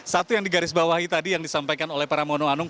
satu yang digarisbawahi tadi yang disampaikan oleh pramono anung